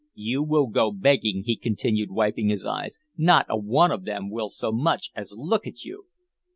"You will go begging," he continued, wiping his eyes. "Not a one of them will so much as look at you."